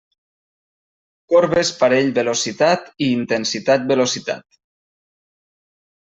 Corbes parell velocitat i intensitat velocitat.